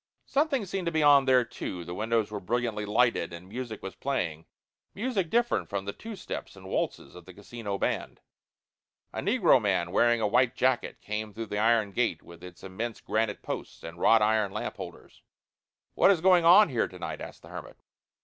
Something seemed to be on there, too. The windows were brilliantly lighted, and music was playing music different from the two steps and waltzes of the casino band. A negro man wearing a white jacket came through the iron gate, with its immense granite posts and wrought iron lamp holders. "What is going on here to night?" asked the hermit.